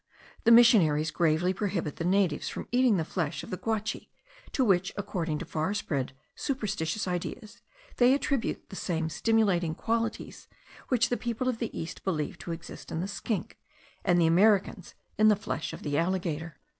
The missionaries gravely prohibit the natives from eating the flesh of the guachi, to which, according to far spread superstitious ideas, they attribute the same stimulating qualities which the people of the East believe to exist in the skink, and the Americans in the flesh of the alligator.